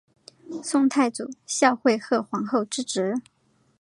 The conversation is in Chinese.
宋太祖孝惠贺皇后之侄。